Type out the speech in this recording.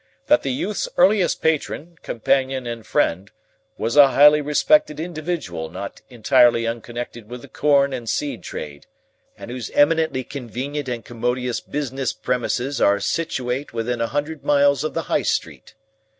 that the youth's earliest patron, companion, and friend, was a highly respected individual not entirely unconnected with the corn and seed trade, and whose eminently convenient and commodious business premises are situate within a hundred miles of the High Street.